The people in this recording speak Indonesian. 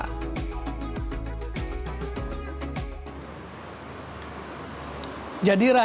cara pembuatan colenak ini adalah